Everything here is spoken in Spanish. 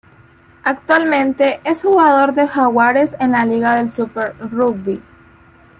Actualmente, es jugador de Jaguares en la liga del Super Rugby.